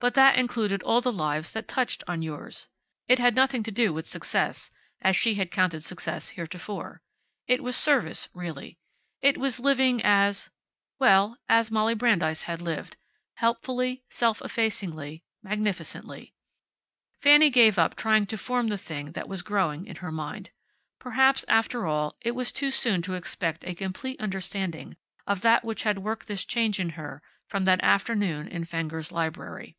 But that included all the lives that touched on yours. It had nothing to do with success, as she had counted success heretofore. It was service, really. It was living as well, as Molly Brandeis had lived, helpfully, self effacingly, magnificently. Fanny gave up trying to form the thing that was growing in her mind. Perhaps, after all, it was too soon to expect a complete understanding of that which had worked this change in her from that afternoon in Fenger's library.